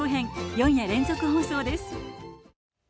４夜連続の放送です。